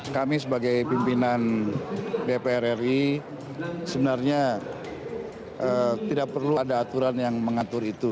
kami sebagai pimpinan dpr ri sebenarnya tidak perlu ada aturan yang mengatur itu